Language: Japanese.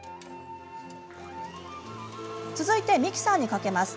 続いて、ミキサーにかけます。